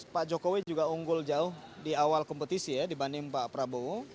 pak jokowi juga unggul jauh di awal kompetisi ya dibanding pak prabowo